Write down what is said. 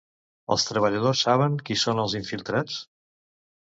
Els treballadors saben qui són els infiltrats?